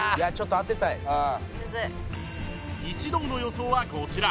一同の予想はこちら